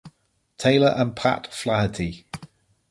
Taylor and Pat Flaherty.